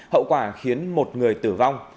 hậu quả khiến một người tử vong